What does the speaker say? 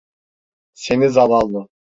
Seni zavallı.